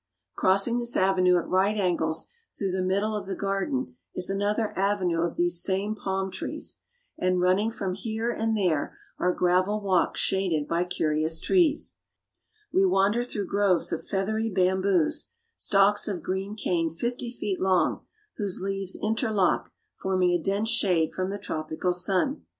Crossing this avenue at right angles through the mid dle of the garden is another avenue of these same palm trees, and running from it here and there are gravel walks shaded by curious trees. We wander through groves of "We wander through groves of feathery bamboos." feathery bamboos, stalks of green cane fifty feet long, whose leaves interlock, forming a dense shade from the tropical sun.